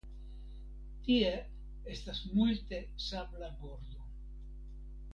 Tie estas multe sabla bordo.